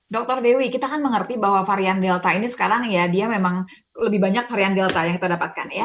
dr dewi kita kan mengerti bahwa varian delta ini sekarang ya dia memang lebih banyak varian delta yang kita dapatkan ya